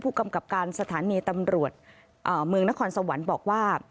กำกับการสถานีตำรวจเมืองนครสวรรค์บอกว่า